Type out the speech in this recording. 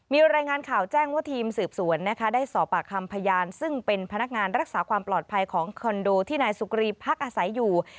มีรายงานข่าวแจ้งว่าทีมสืบสวนนะคะได้สอบปากคำพยานซึ่งเป็นพนักงานรักษาความปลอดภัยของคอนโดที่นายสุกรีพักอาศัยอยู่